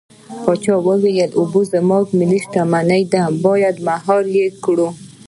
پاچا وويل: اوبه زموږ ملي شتمني ده بايد مهار يې کړو.